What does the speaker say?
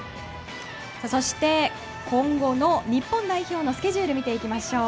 そして、今後の日本代表のスケジュールを見ていきましょう。